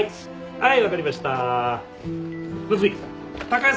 はい。